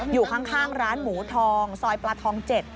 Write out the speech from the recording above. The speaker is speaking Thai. อยู่ข้างร้านหมูทองซอยปลาทอง๗